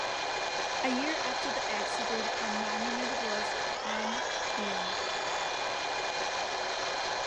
A year after the accident, a monument was unveiled.